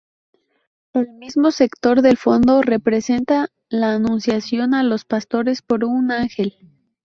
El mismo sector del fondo representa la anunciación a los pastores por un ángel.